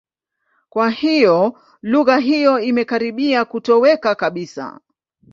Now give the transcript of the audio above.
Kwa hiyo lugha hiyo imekaribia kutoweka kabisa.